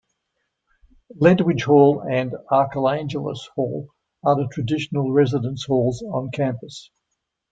Ledwidge Hall and Archangelus Hall are the traditional residence halls on campus.